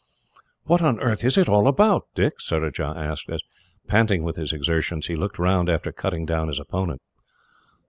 "What on earth is it all about, Dick?" Surajah asked, as, panting with his exertions, he looked round after cutting down his opponent.